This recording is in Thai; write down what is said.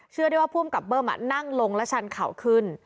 เชื่อได้ว่าผู้อำกับเบิ้มนั่งลงและชันเข่าขึ้น